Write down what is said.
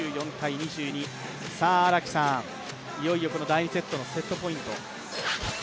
２４−２２、荒木さん、いよいよ第２セットのセットポイント。